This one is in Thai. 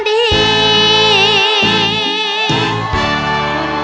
เพราะเธอชอบเมือง